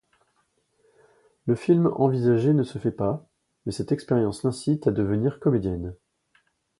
Le film envisagé ne se fait pas, mais cette expérience l'incite à devenir comédienne.